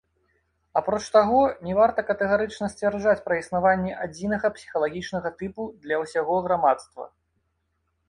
Апроч таго, не варта катэгарычна сцвярджаць пра існаванне адзінага псіхалагічнага тыпу для ўсяго грамадства.